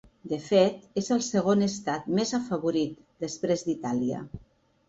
De fet, és el segon estat més afavorit, després d’Itàlia.